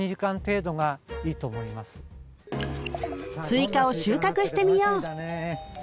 スイカを収穫してみよう